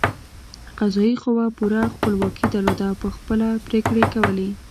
قضايي قوه پوره خپلواکي درلوده او په خپله پرېکړې کولې.